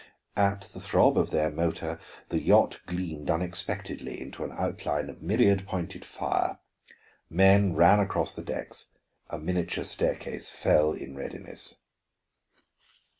At the throb of their motor the yacht gleamed unexpectedly into an outline of myriad pointed fire. Men ran across the decks, a miniature staircase fell in readiness.